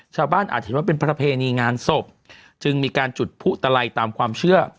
อาจเห็นว่าเป็นประเพณีงานศพจึงมีการจุดผู้ตะไลตามความเชื่อ